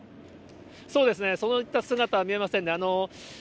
そうですね、そういった姿は見えませんね。